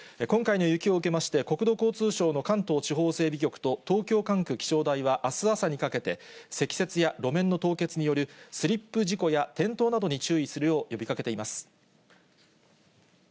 今回の雪を受けまして、国土交通省の関東地方整備局と東京管区気象台は、あす朝にかけて、積雪や路面の凍結によるスリップ事故や転倒などに注意するよう呼びかけています。